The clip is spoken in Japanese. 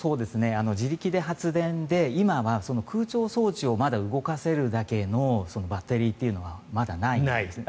自力で発電で今は空調装置をまだ動かせるだけのバッテリーはまだないんです。